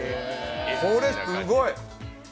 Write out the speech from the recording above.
これ、すごい。